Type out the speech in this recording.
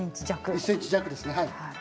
１ｃｍ弱です。